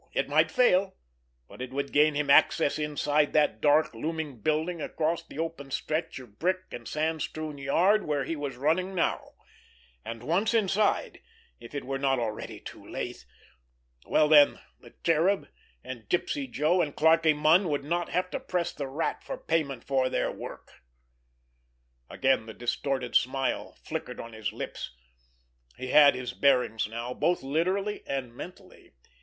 It might fail, but it would gain him access inside that dark, looming building across the open stretch of brick and sand strewn yard where he was running now; and once inside, if it were not already too late, there must be some way out for her. And if it were too late—well then, the Cherub, and Gypsy Joe, and Clarkie Munn would not have to press the Rat for payment for their work! Again the distorted smile flickered on his lips. He had his bearings now, both literally and mentally.